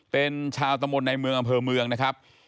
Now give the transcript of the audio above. เป็นชาวตะมนต์ในเมืองอำเภอเมืองนะครับ